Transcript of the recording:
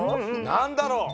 なんだろう？